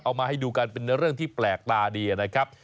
มาให้ดูกันเป็นเรื่องที่แปลกตาดีนะครับ